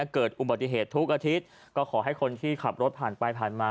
ก็มีผู้หญิงก็รู้สึกว่าแกนหลุดแล้วก็แกนทัก